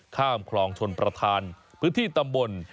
ข้ามคลองชนประธานพื้นที่ตำบล